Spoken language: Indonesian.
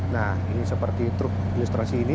nah ini seperti truk ilustrasi ini